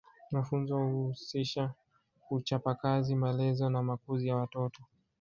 Mafunzo huhusisha uchapa Kazi malezi na makuzi ya watoto